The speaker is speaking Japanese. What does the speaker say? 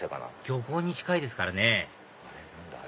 漁港に近いですからね何だ？